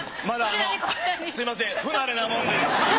まだあのすみません。